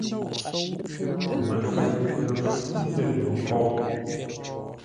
Məfeʼ lə fú lə̂ no kôʼ.